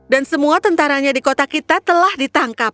dan semua tentaranya di kota kita telah ditangkap